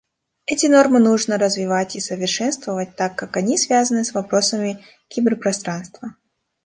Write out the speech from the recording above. Эти нормы нужно развивать и совершенствовать, так как они связаны с вопросами киберпространства.